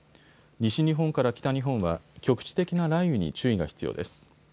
西日本から北日本は局地的な雷雨に注意が必要です。